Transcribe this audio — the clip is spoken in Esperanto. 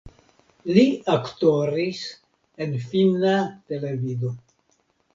Li aktoris en finna televido.